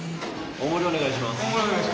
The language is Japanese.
大盛りお願いします。